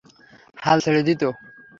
হাল ছেড়ে দিত?